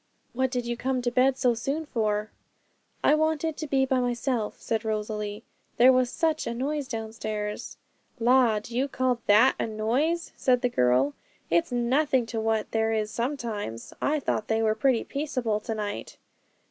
What did you come to bed so soon for?' 'I wanted to be by myself,' said Rosalie; 'there was such a noise downstairs.' 'La! do you call that a noise? said the girl; 'it's nothing to what there is sometimes; I thought they were pretty peaceable to night.'